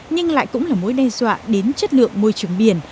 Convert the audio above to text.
nhưng lại cũng là mối đe dọa đến chất lượng môi trường biển